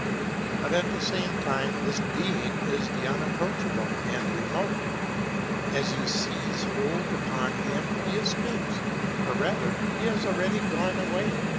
But at the same time this Being is the unapproachable and remote. As you seize hold upon him he escapes, or rather he has already gone away.